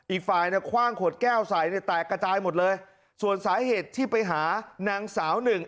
อีกฝ่ายเนี่ยคว่างขวดแก้วใส่เนี่ยแตกกระจายหมดเลยส่วนสาเหตุที่ไปหานางสาวหนึ่ง